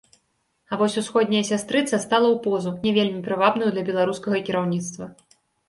А вось усходняя сястрыца стала ў позу, не вельмі прывабную для беларускага кіраўніцтва.